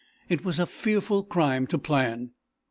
It was a fearful crime to plan."